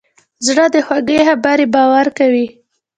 زړه د خوږې خبرې باور کوي.